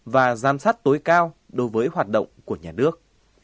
và giám sát tối cao đối với hoạt động của nhà nước